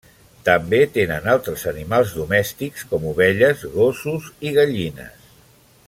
També tenen altres animals domèstics com ovelles, gossos i gallines.